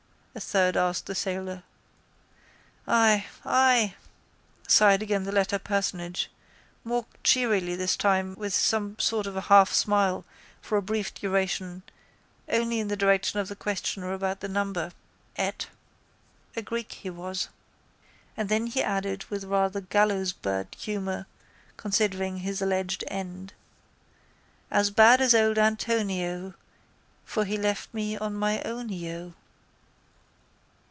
a third asked the sailor. —Ay, ay, sighed again the latter personage, more cheerily this time with some sort of a half smile for a brief duration only in the direction of the questioner about the number. Ate. A Greek he was. And then he added with rather gallowsbird humour considering his alleged end: —As bad as old Antonio, For he left me on my ownio.